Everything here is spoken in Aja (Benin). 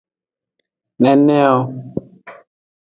Neneo.